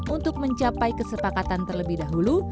untuk mencapai kesepakatan terlebih dahulu